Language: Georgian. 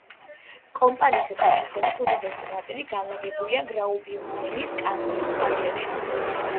კომპანიის რკინიგზების უდიდესი ნაწილი განლაგებულია გრაუბიუნდენის კანტონის ფარგლებში.